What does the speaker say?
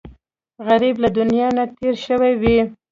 غریب له دنیا نه تېر شوی وي